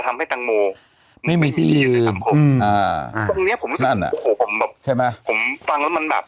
ผมรู้สึกว่าโอ้โหผมแบบผมฟังแล้วมันแบบ